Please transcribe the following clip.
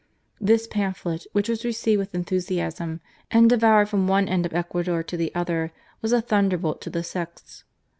This pamphlet, which was received with enthu siasm and devoured from one end of Ecuador to the other, was a thunderbolt to the sects.